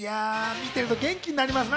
見てると元気になりますな。